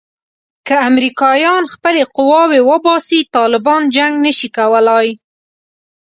که امریکایان خپلې قواوې وباسي طالبان جنګ نه شي کولای.